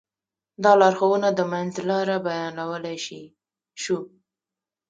دا لارښوونه د منځ لاره بيانولی شو.